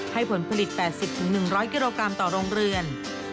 ผลผลิต๘๐๑๐๐กิโลกรัมต่อโรงเรือน